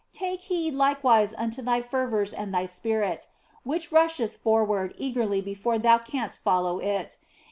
Take heed likewise unto thy fervours and thy spirit, which rusheth forward eagerly before thou canst follow it.